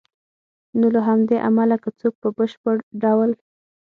نو له همدې امله که څوک په بشپړ ډول